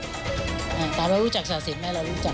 เรารู้จักศาสินไหมเรารู้จัก